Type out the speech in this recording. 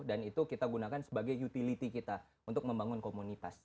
itu kita gunakan sebagai utility kita untuk membangun komunitas